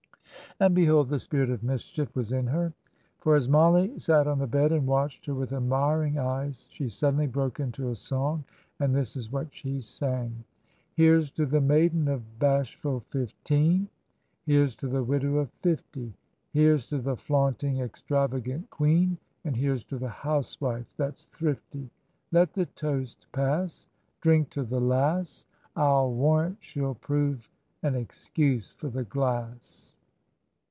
And behold the spirit of mischief was in her; for, as Mollie sat on the bed and watched her with admiring eyes, she suddenly broke into a song; and this is what she sang: "Here's to the maiden of bashful fifteen, Here's to the widow of fifty, Here's to the flaunting, extravagant quean, And here's to the housewife that's thrifty. Let the toast pass, Drink to the lass, I'll warrant she'll prove an excuse for the glass."